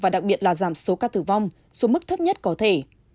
đặc biệt là giảm số ca tử vong số mức thấp nhất có thể